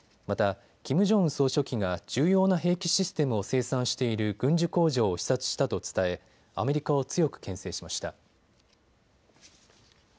またキム・ジョンウン総書記が重要な兵器システムを生産している軍需工場を視察したと伝えアメリカを強くけん制しました。